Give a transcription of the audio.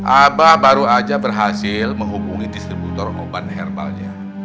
abah baru aja berhasil menghubungi distributor obat herbalnya